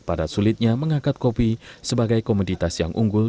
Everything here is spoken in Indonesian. pada sulitnya mengangkat kopi sebagai komoditas yang unggul